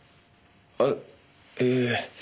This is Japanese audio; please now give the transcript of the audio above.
あっええ。